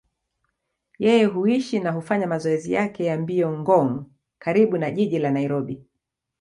Yeye huishi na hufanya mazoezi yake ya mbio Ngong, karibu na jiji la Nairobi.